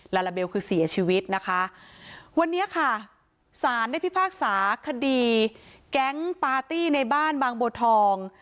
ลาลาเบลคือเสียชีวิตนะคะวันนี้ค่ะสารได้พิพากษาคดีแก๊งปาร์ตี้ในบ้านบางบัวทอง